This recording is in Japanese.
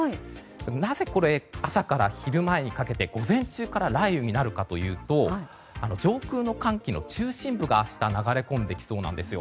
なぜ、朝から昼前にかけて午前中から雷雨になるかというと上空の寒気の中心部が明日流れ込んできそうなんですよ。